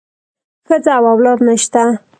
ښځه او اولاد نشته.